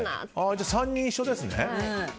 じゃあ３人一緒ですね。